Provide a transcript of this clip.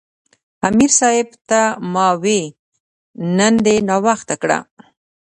امیر صېب ته ما وې " نن دې ناوخته کړۀ "